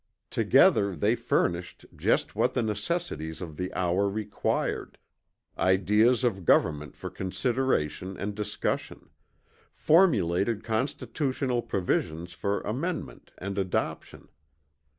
Together they furnished just what the necessities of the hour required, ideas of government for consideration and discussion; formulated constitutional provisions for amendment and adoption.